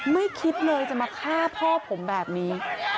ไม่คิดเลยจะมาฆ่าพ่อผมแบบนี้